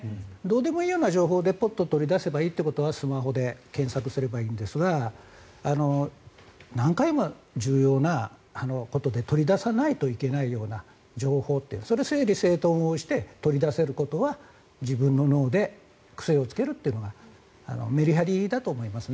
どうでもいいような情報でポッて取り出せる情報はスマホで検索すればいいんですが何回も重要なことで取り出さないといけないような情報それ、整理整頓をして取り出せることは自分の脳で癖をつけるのがメリハリだと思います。